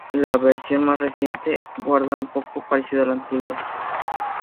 La versión más reciente guarda poco parecido a la antigua.